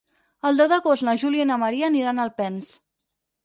El deu d'agost na Júlia i na Maria aniran a Alpens.